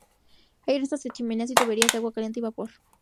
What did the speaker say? Hay restos de chimeneas y tuberías de agua caliente y vapor.